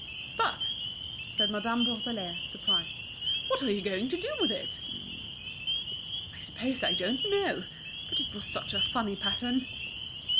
"But," said Madame Bourdelais, surprised, "what are you going to do with it?" "I'm sure I don't know. But it was such a funny pattern!"